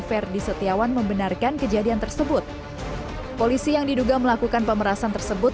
ferdi setiawan membenarkan kejadian tersebut polisi yang diduga melakukan pemerasan tersebut